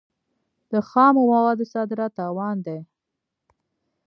د خامو موادو صادرات تاوان دی.